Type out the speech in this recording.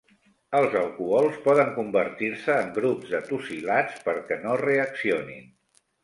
Els alcohols poden convertir-se en grups de tosilats perquè no reaccionin.